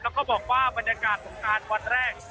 แล้วก็บอกว่าบรรยากาศสงการวันแรก